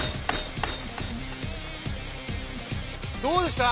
どうでした？